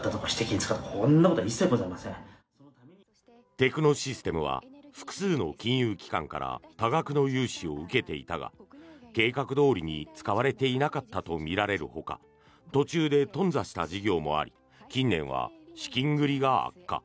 テクノシステムは複数の金融機関から多額の融資を受けていたが計画どおりに使われていなかったとみられるほか途中で頓挫した事業もあり近年は資金繰りが悪化。